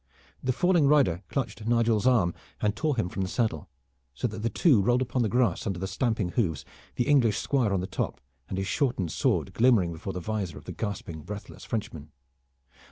The falling rider clutched Nigel's arm and tore him from the saddle, so that the two rolled upon the grass under the stamping hoofs, the English squire on the top, and his shortened sword glimmered before the visor of the gasping, breathless Frenchman.